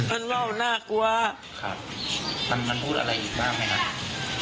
มันว่าวน่ากลัวครับมันพูดอะไรอีกบ้างไหมครับ